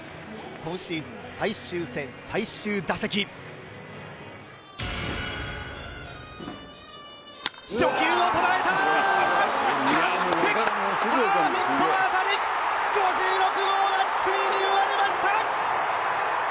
今シーズン最終戦最終打席初球をとらえた完璧パーフェクトな当たり５６号がついに生まれました